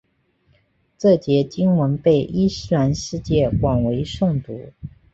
这节经文被伊斯兰世界广为诵读。